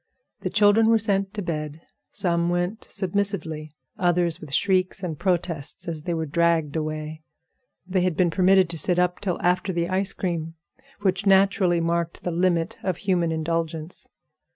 The children were sent to bed. Some went submissively; others with shrieks and protests as they were dragged away. They had been permitted to sit up till after the ice cream, which naturally marked the limit of human indulgence.